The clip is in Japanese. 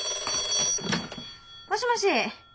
☎もしもし！